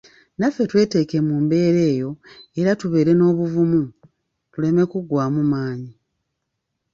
Naffe tweteeke mu mbeera eyo era tubeere n'obuvumu tuleme kuggwaamu maanyi.